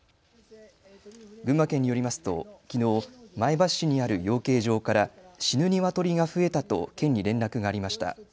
群馬県によりますと、きのう、前橋市にある養鶏場から死ぬニワトリが増えたと県に連絡がありました。